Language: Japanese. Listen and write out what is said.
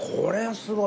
すごい。